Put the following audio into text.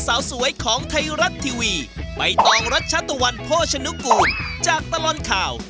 สาวสวยของไทยรัฐทีวีใบตองรัชตะวันโภชนุกูลจากตลอดข่าว